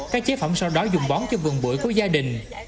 các chế phẩm sau đó dùng bón cho vườn bưởi của gia đình